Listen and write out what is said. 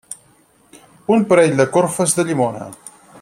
Un parell de corfes de llimona.